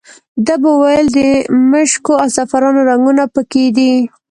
ده به ویل د مشکو او زعفرانو رنګونه په کې دي.